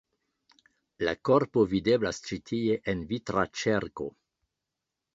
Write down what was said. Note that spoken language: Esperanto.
La korpo videblas ĉi tie en vitra ĉerko.